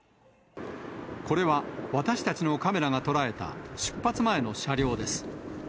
これは、私たちのカメラが捉えた出発前の車両です。